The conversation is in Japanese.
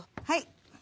はい。